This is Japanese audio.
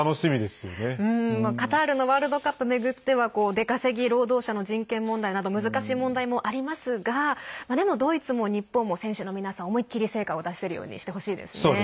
カタールのワールドカップを巡っては出稼ぎ労働者の人権問題など難しい問題もありますがドイツも日本も、選手の皆さん思い切り成果を出せるようにしてほしいですね。